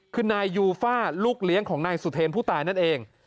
คือนายยูฟ่าลูกเลี้ยงของนายสุเทรนผู้ตายนั่นเอง